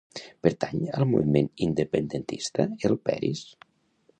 Pertany al moviment independentista el Peris?